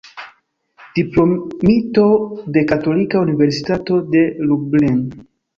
Diplomito de Katolika Universitato de Lublin.